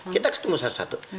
kita ketemu salah satu